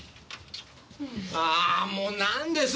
あもうなんです！